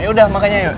yaudah makanya yuk